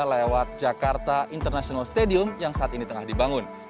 lewat jakarta international stadium yang saat ini tengah dibangun